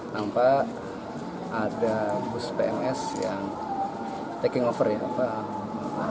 nampak ada bus pms yang taking over ya pak